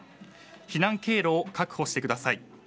避難経路を確保してください。